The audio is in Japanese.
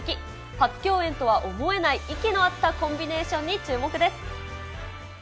初共演とは思えない息の合ったコンビネーションに注目です。